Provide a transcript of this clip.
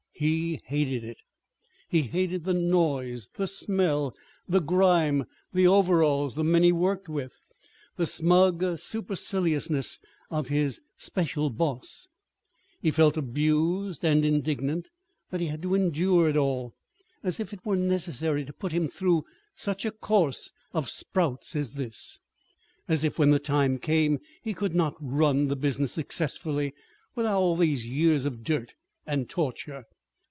He hated it. He hated the noise, the smell, the grime, the overalls, the men he worked with, the smug superciliousness of his especial "boss." He felt abused and indignant that he had to endure it all. As if it were necessary to put him through such a course of sprouts as this! As if, when the time came, he could not run the business successfully without all these years of dirt and torture!